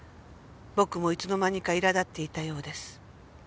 「僕もいつの間にか苛立っていたようです」